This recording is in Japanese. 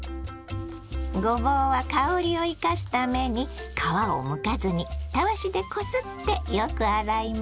ごぼうは香りを生かすために皮をむかずにたわしでこすってよく洗います。